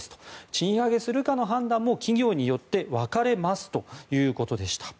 賃上げするかの判断も企業によって分かれますということでした。